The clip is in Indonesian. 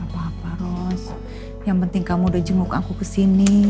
gapapa ros yang penting kamu udah jenguk aku kesini